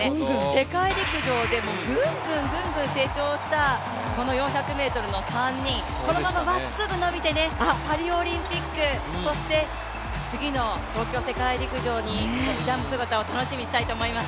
世界陸上でぐんぐんぐんぐん成長したこの４００ｍの３人、このまままっすぐ伸びて、パリオリンピック、そして次の東京世界陸上に挑む姿を楽しみにしたいと思います。